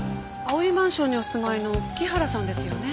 葵マンションにお住まいの木原さんですよね？